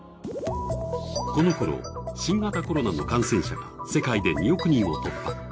このころ、新型コロナの感染者が世界で２億人を突破。